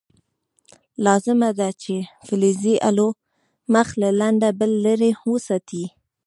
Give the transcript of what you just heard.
لازمه ده چې د فلزي الو مخ له لنده بل لرې وساتئ.